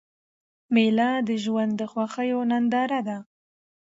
مېله د ژوند د خوښیو ننداره ده.